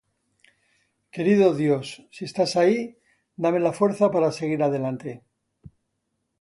Querido Dios, si estás ahí, dame la fuerza para seguir adelante".